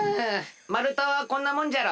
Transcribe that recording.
まるたはこんなもんじゃろ。